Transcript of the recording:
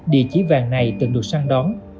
địa chỉ vàng này từng được săn đón